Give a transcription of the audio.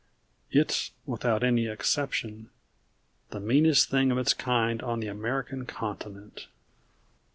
It's without any exception the meanest thing of its kind on the American continent.